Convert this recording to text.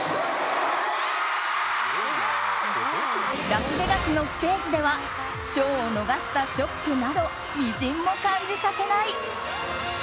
ラスベガスのステージでは賞を逃したショックなどみじんも感じさせない。